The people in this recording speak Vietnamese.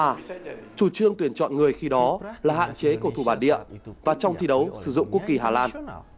chủ trương tuyển chọn người khi đó là hạn chế cầu thủ bản địa và trong thi đấu sử dụng quốc kỳ hà lan